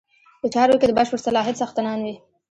په چارو کې د بشپړ صلاحیت څښتنان وي.